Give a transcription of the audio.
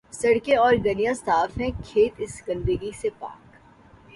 سڑکیں اورگلیاں صاف ہیں، کھیت اس گندگی سے پاک۔